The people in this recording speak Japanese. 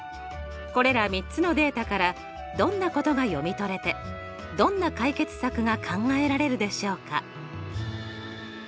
これら３つのデータからどんなことが読み取れてどんな解決策が考えられるでしょうか？